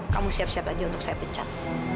kamu siap siap aja untuk saya pecat